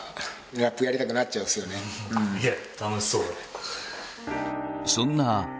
いや